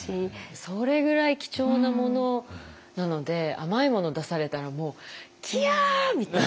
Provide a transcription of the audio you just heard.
それぐらい貴重なものなので甘いもの出されたらもうキャー！みたいな。